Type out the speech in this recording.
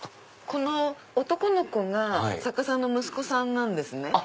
この男の子が作家さんの息子さんなんですね。